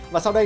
và sau đây